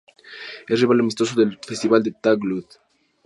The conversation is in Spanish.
Es rival amistoso del Festival de Tanglewood.